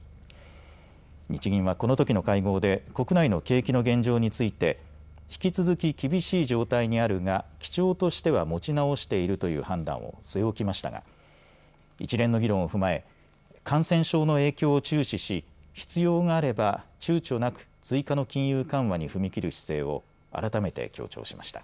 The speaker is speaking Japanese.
日銀はこのときの会合で国内の景気の現状について引き続き厳しい状態にあるが基調としては持ち直しているという判断を据え置きましたが一連の議論を踏まえ感染症の影響を注視し必要があれば、ちゅうちょなく追加の金融緩和に踏み切る姿勢を改めて強調しました。